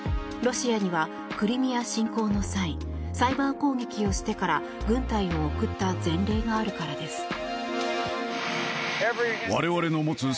ロシアにはクリミア侵攻の際サイバー攻撃をしてから軍隊を送った前例があるからです。